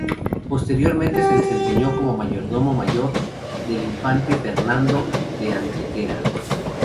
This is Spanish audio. Posteriormente se desempeñó como mayordomo mayor del infante Fernando de Antequera.